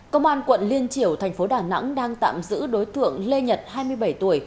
công an quận liên triểu thành phố đà nẵng đang tạm giữ đối tượng lê nhật hai mươi bảy tuổi